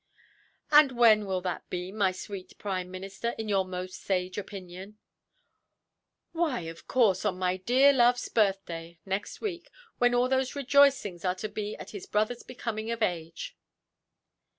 "And when will that be, my sweet prime minister, in your most sage opinion"? "Why, of course, on my dear loveʼs birthday, next week, when all those rejoicings are to be at his brother becoming of age".